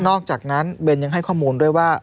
อกจากนั้นเบนยังให้ข้อมูลด้วยว่า